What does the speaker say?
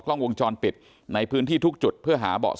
กล้องวงจรปิดในพื้นที่ทุกจุดเพื่อหาเบาะ